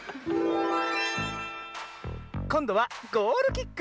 こんどはゴールキック。